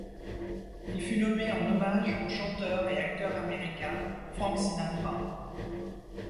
Il fut nommé en hommage au chanteur et acteur américain Franck Sinatra.